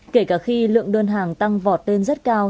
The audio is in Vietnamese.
kể cả khi lượng đơn hàng tăng vọt tên rất cao